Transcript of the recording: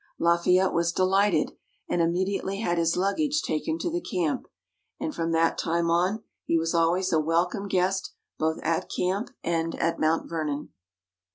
Lafayette was delighted, and immediately had his luggage taken to the camp. And from that time on, he was always a welcome guest both at camp and at Mount Vernon.